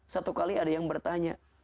satu kali ada yang bertanya